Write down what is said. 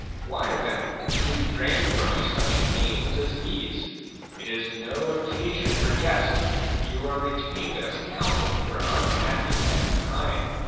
Why, then, do you frame for me such games as these ? It is no occasion for jest ; you are retained as counsel for unhappy mankind.